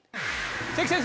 関先生！